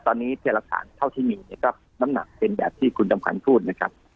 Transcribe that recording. ตอนนี้เศรษฐานเท่าที่มีก็น้ำหนักเป็นแบบที่คุณตำควัลพูดนะครับ